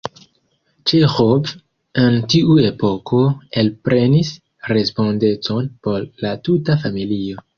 Ĉeĥov en tiu epoko elprenis respondecon por la tuta familio.